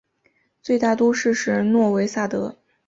最大都市是诺维萨德。